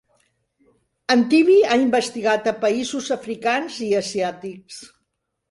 En Tibi ha investigat a països africans i asiàtics.